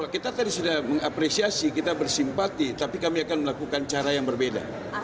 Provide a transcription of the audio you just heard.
kita tadi sudah mengapresiasi kita bersimpati tapi kami akan melakukan cara yang berbeda